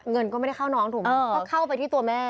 เงินก็ไม่ได้เข้าน้องถูกไหมก็เข้าไปที่ตัวแม่